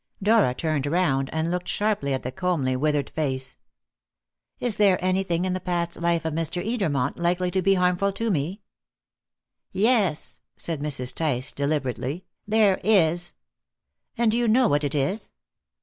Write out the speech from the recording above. Dora turned round and looked sharply at the comely, withered face. "Is there anything in the past life of Mr. Edermont likely to be harmful to me?" "Yes," said Mrs. Tice deliberately, "there is." "And do you know what it is?"